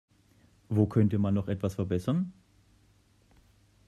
Wo könnte man noch etwas verbessern?